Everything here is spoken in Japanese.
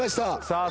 さあ